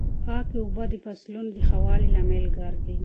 پاکې اوبه د فصلونو د ښه والي لامل ګرځي.